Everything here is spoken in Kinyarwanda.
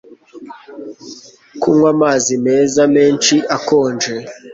Kunywa amazi meza menshi akonje